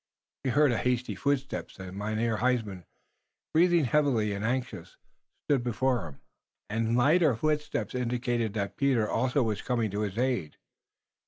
He heard a hasty footstep, and Mynheer Huysman, breathing heavily and anxious, stood before him. Other and lighter footsteps indicated that Peter also was coming to his aid.